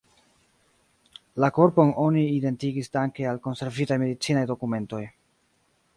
La korpon oni identigis danke al konservitaj medicinaj dokumentoj.